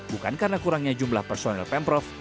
bukan karena kurangnya jumlah personel pemprov